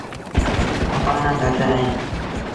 کپآڻآن گھٽ اهيݩ۔